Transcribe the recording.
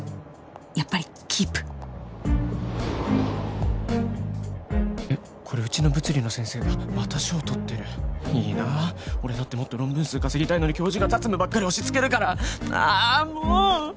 やっぱりキープえっこれうちの物理の先生だまた賞とってるいいな俺だってもっと論文数稼ぎたいのに教授が雑務ばっかり押しつけるからああもう！